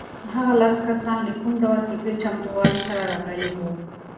هغه لس کسان له کوم ډول فکري چمتووالي سره راغلي وو؟